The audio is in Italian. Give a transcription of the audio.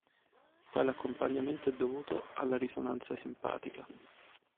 Tale accompagnamento è dovuto alla risonanza simpatica.